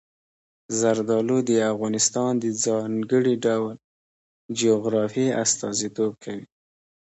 زردالو د افغانستان د ځانګړي ډول جغرافیې استازیتوب کوي.